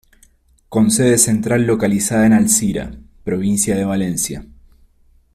Con sede central localizada en Alcira, provincia de Valencia.